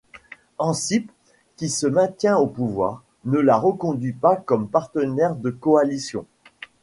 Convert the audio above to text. Ansip, qui se maintient au pouvoir, ne la reconduit pas comme partenaire de coalition.